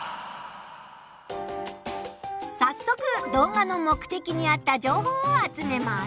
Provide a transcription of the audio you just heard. さっそく動画の目的にあった情報を集めます。